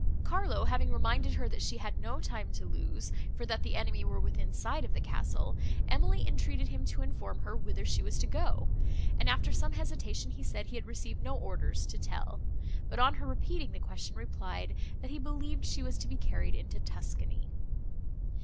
Carlo having reminded her, that she had no time to lose, for that the enemy were within sight of the castle, Emily entreated him to inform her whither she was to go; and, after some hesitation, he said he had received no orders to tell; but, on her repeating the question, replied, that he believed she was to be carried into Tuscany.